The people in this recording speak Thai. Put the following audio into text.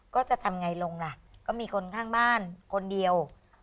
ก็จะทำไงลงล่ะก็มีคนข้างบ้านคนเดียว